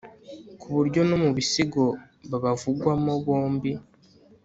ku buryo no mu bisigo babavugwamo bombi